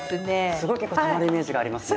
すごい結構たまるイメージがありますね。